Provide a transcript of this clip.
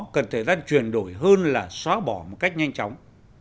cần thời gian chuyển đổi hơn là xóa bỏ một cách nhanh chóng